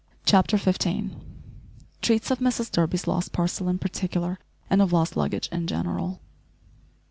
CHAPTER FIFTEEN. TREATS OF MRS. DURBY'S LOST PARCEL IN PARTICULAR, AND OF LOST LUGGAGE IN GENERAL.